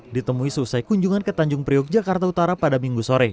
ditemui selesai kunjungan ke tanjung priuk jakarta utara pada minggu sore